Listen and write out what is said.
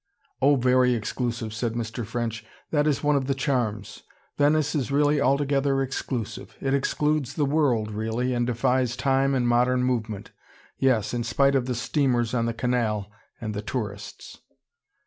"Oh, very exclusive," said Mr. French. "That is one of the charms. Venice is really altogether exclusive. It excludes the world, really, and defies time and modern movement. Yes, in spite of the steamers on the canal, and the tourists."